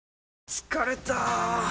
疲れた！